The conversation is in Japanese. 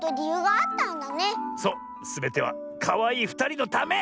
すべてはかわいいふたりのため！